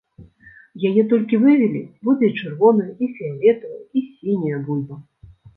Яе толькі вывелі, будзе і чырвоная, і фіялетавая, і сіняя бульба.